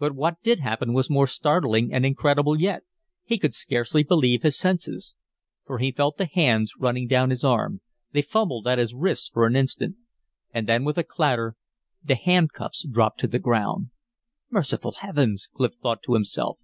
But what did happen was more startling and incredible yet; he could scarcely believe his senses. For he felt the hands running down his arm. They fumbled at his wrists for an instant. And then with a clatter the handcuffs dropped to the ground! "Merciful heavens!" Clif thought to himself.